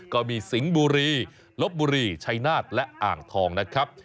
ก็มีสิงบุรีลบบุรีชัยนาธิ์และอ่างทองนะครับ